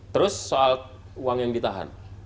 terus soal uang yang ditahan